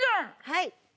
はい。